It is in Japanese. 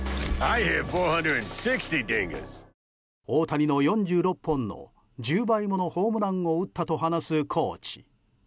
大谷の４６本の１０倍ものホームランを打ったと話すコーチ。